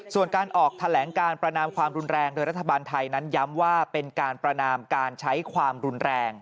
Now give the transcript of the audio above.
ส่วนการออกแถลงการประนามความรุนแรงโดยรัฐบาลไทยนั้นย้ำว่าเป็นการประนามการใช้ความรุนแรง